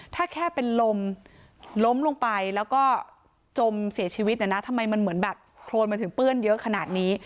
ถ้าแค่เป็นลมล้มลงไปแล้วก็จมเสียชีวิตนะนะทำไมมันเหมือนแบบโครนมันถึงเปื้อนเยอะขนาดนี้